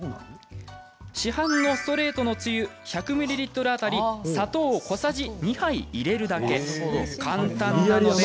市販のストレートのつゆ１００ミリリットル当たりに砂糖小さじ２杯入れるだけ。